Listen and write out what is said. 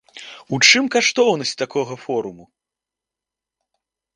У чым каштоўнасць такога форуму?